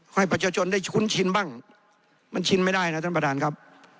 ให้ประชาชนได้คุ้นชินบ้างมันชินไม่ได้นะท่านประธานครับ